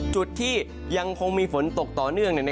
จุดที่ยังคงมีฝนตกต่อเนื่อง